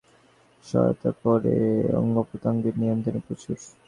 এইসব প্রাণায়াম শরীরের বিভিন্ন অঙ্গ-প্রত্যঙ্গের নিয়ন্ত্রণে প্রচুর সহায়তা করে।